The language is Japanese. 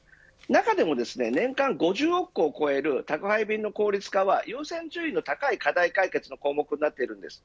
中でも年間５０億個を超える宅配便の効率化は優先順位の高い課題解決の項目になっているんです。